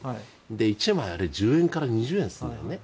１枚、１０円から２０円するんだよね。